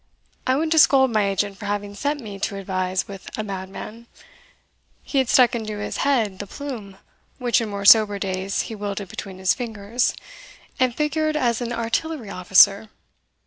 I went to scold my agent for having sent me to advise with a madman; he had stuck into his head the plume, which in more sober days he wielded between his fingers, and figured as an artillery officer.